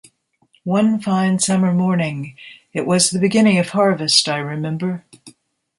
One fine summer morning — it was the beginning of harvest, I remember.